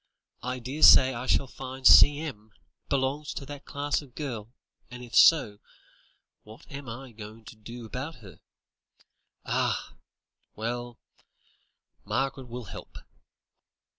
I daresay I shall find C.M. belongs to that class of girl, and if so, what am I going to do about her? Ah! well; Margaret will help."